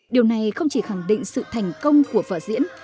điều này không chỉ khẳng định sự thành công của vợ diễn